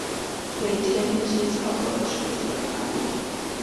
每天必须操作数次的换液。